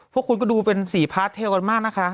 พวกคุณก็ดูเป็นสีพาร์ทเทลกันมากนะคะ